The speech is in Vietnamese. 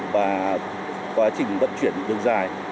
và quá trình vận chuyển đường dài